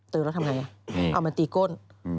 เตือนแล้วทำยังไงเอามาตีก้น